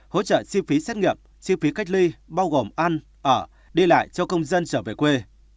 hỗ trợ chi phí xét nghiệm chi phí cách ly bao gồm ăn ở đi lại cho công dân trở về quê